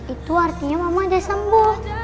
itu artinya mama dia sembuh